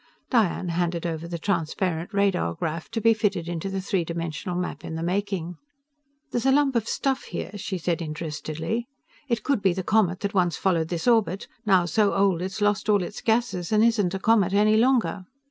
Diane handed over the transparent radar graph, to be fitted into the three dimensional map in the making. "There's a lump of stuff here," she said interestedly. "It could be the comet that once followed this orbit, now so old it's lost all its gases and isn't a comet any longer."